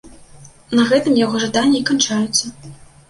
На гэтым яго жаданні і канчаюцца.